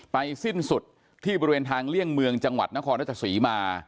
สิ้นสุดที่บริเวณทางเลี่ยงเมืองจังหวัดนครราชศรีมา